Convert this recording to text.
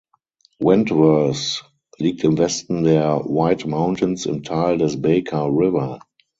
Wentworth liegt im Westen der White Mountains im Tal des Baker River.